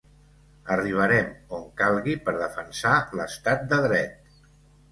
Arribarem on calgui per defensar l’estat de dret.